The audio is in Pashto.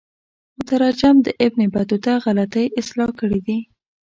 مترجم د ابن بطوطه غلطی اصلاح کړي دي.